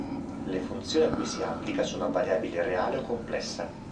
Le funzioni a cui si applica sono a variabile reale o complessa.